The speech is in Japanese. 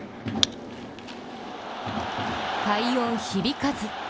快音響かず。